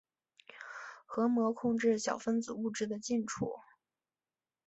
核膜控制小分子物质的进出。